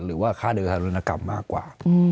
หรือว่าฆ่าเดินทางธนกรรมมากกว่า